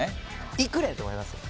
いくらやと思います？